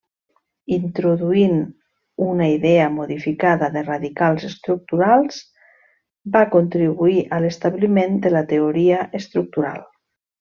Introduint una idea modificada de radicals estructurals, va contribuir a l'establiment de la teoria estructural.